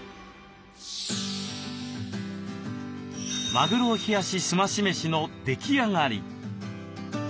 「マグロ冷やしすまし飯」の出来上がり。